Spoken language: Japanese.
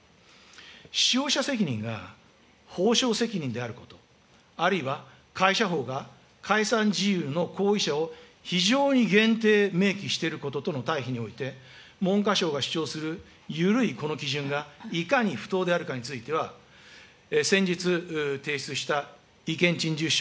使用者責任が責任であること、あるいは会社法が解散事由の行為者を非常に限定明記していることとの対比において、文科省が主張する緩いこの基準がいかに不当であるかについては、先日提出した意見陳述書